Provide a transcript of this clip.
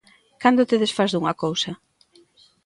Cando te desfás dunha cousa?